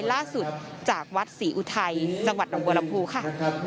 ล่าสุดจากวัดศรีอุทัยจังหวัดหนองบัวลำพูค่ะ